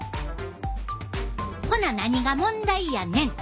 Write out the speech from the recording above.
ほな何が問題やねん！